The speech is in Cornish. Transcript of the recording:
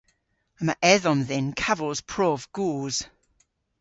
Yma edhom dhyn kavos prov goos.